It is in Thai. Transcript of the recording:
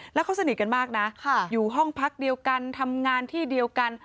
แล้วเขาสนิทกันมากนะอยู่ห้องพักเดียวกันทำงานที่เดียวกัน